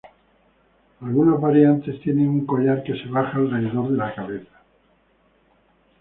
Algunas variantes tienen un collar que se baja alrededor de la cabeza.